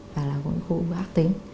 và là một khối u ác tính